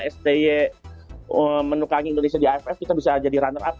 sti menukangi indonesia di aff kita bisa jadi runner up